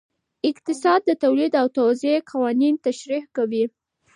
اقتصاد د تولید او توزیع قوانین تشریح کوي.